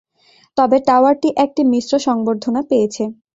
তবে টাওয়ারটি একটি মিশ্র সংবর্ধনা পেয়েছে।